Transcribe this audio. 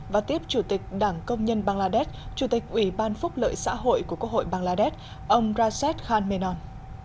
và tiếp chủ tịch đảng công nhân bangladesh chủ tịch ủy ban phúc lợi xã hội của quốc hội bangladesh ông rajesh khan menon